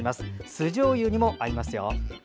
酢じょうゆにも合いますよ。